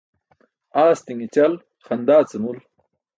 Aastiṅe ćal xaṅdaa ce mul.